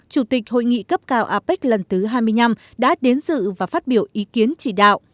chủ tịch hội nghị cấp cao apec lần thứ hai mươi năm đã đến dự và phát biểu ý kiến chỉ đạo